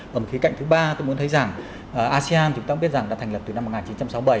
và một khía cạnh thứ ba tôi muốn thấy rằng asean chúng ta cũng biết rằng đã thành lập từ năm một nghìn chín trăm sáu mươi bảy